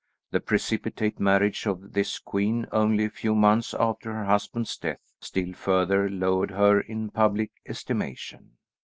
The precipitate marriage of this queen, only a few months after her husband's death, still further lowered her in public estimation.